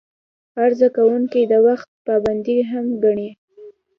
عرضه کوونکي د وخت پابندي مهم ګڼي.